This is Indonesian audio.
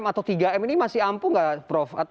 atau tiga m ini masih ampuh nggak prof